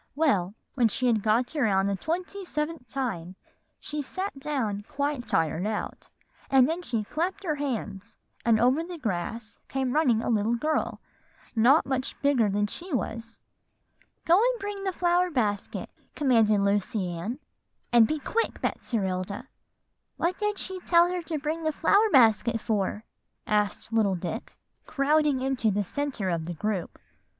"Well, when she had got around the twenty seventh time, she sat down quite tired out; and then she clapped her hands, and over the grass came running a little girl not much bigger than she was. 'Go and bring the flower basket,' commanded Lucy Ann, 'and be quick, Betserilda.'" "What did she tell her to bring the flower basket for?" asked little Dick, crowding into the centre of the group.